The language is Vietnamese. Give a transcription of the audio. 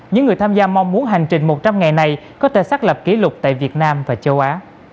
những người tham gia mong muốn hành trình một trăm linh ngày này có thể xác lập kỷ lục tại việt nam và châu á